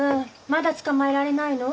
まだ捕まえられないの？